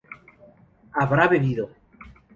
habrá bebido